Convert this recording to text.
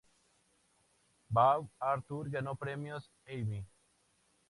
Bea Arthur ganó Premios Emmy.